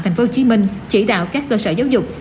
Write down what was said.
tp hcm chỉ đạo các cơ sở giáo dục